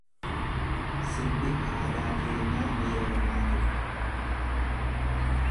Sirbi aadaa keenyaa miira namaa tuqa.